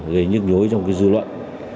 gây nhức nhối trong dư luận